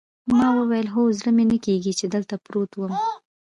ما وویل: هو، زړه مې نه کېږي چې دلته پروت وم.